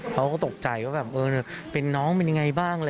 เขาก็ตกใจว่าเป็นน้องเป็นอย่างไรบ้าง